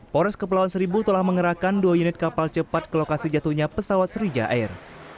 poros kepulauan seribu telah mengerahkan dua unit kapal cepat ke lokasi jatuhnya pesawat srija air